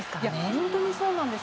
本当にそうなんです。